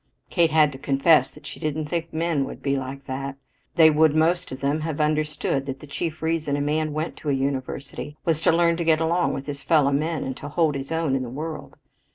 Kate had to confess that she didn't think men would be like that. They would most of them have understood that the chief reason a man went to a university was to learn to get along with his fellow men and to hold his own in the world.